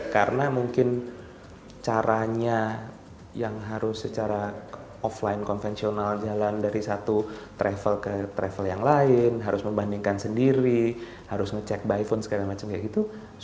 karena mungkin caranya yang harus secara offline konvensional jalan dari satu travel ke travel yang lain harus membandingkan sendiri harus ngecek by phone segala macem kayak gitu